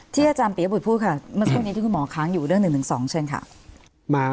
อาจารย์ปียบุตรพูดค่ะเมื่อสักครู่นี้ที่คุณหมอค้างอยู่เรื่อง๑๑๒เชิญค่ะ